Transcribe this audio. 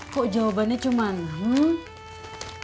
kok jawabannya cuman hmm